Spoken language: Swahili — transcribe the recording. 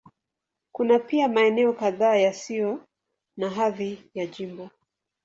Kuna pia maeneo kadhaa yasiyo na hadhi ya jimbo.